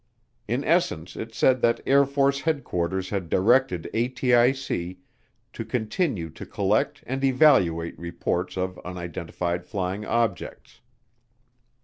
In essence it said that Air Force Headquarters had directed ATIC to continue to collect and evaluate reports of unidentified flying objects.